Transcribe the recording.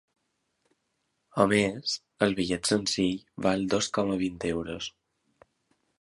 A més, el bitllet senzill val dos coma vint euros.